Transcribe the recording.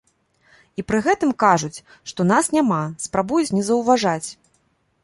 І пры гэтым кажуць, што нас няма, спрабуюць не заўважаць.